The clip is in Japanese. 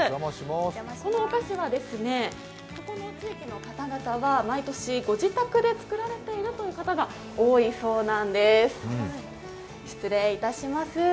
このお菓子はここの地域の方々は毎年、ご自宅で作られているという方が多いそうなんです。